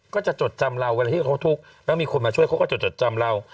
จดจำเราเวลาที่เขาทุกข์แล้วมีคนมาช่วยเขาก็จดจดจำเรา